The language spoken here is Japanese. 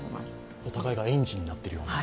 お互いがエンジンになっているような。